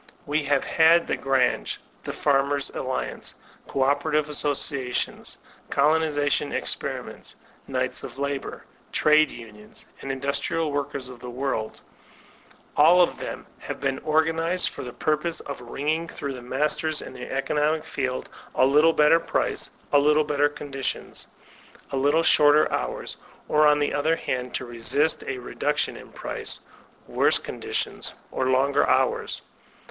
We have had the Grange, the Farmers' Alliance, G> operative Associa tions, G>lonization Experiments, Knights of Labor, Trade Unions, and Industrial Workers of the World All of them have been organized for the purpose of wringing from the masters in the economic field a little better price, a little better conditions, a little shorter hours; or on the other hand, to resist a reduction in price, worse conditions, or longer hours.